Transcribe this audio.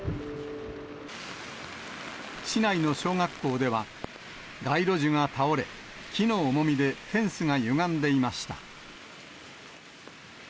市内の小学校では、街路樹が倒れ、木の重みでフェンスがゆがんでいました。